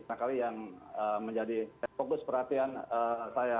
terima kasih ini pertama kali yang